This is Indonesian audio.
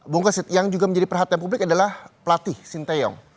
bung kosit yang juga menjadi perhatian publik adalah pelatih sinteyong